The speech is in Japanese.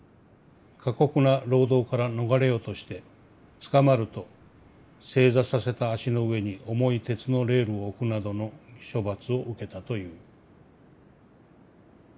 過酷な労働から逃れようとして捕まると正座させた足の上に重い鉄のレールを置くなどの処罰を受けたという」。